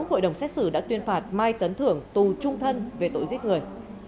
hội đồng xét xử đã tuyên phạt mai tấn thưởng tù trung thân về tội giết người